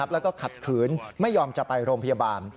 แล้วก็ขัดขืนไม่ยอมจะไปโรงพยาบาล